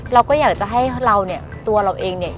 เราก็อยากจะให้เราเนี่ยตัวเราเองเนี่ย